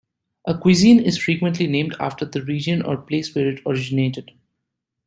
A cuisine is frequently named after the region or place where it originated.